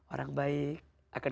orang baik akan